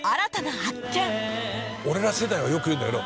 俺ら世代はよく言うんだけど。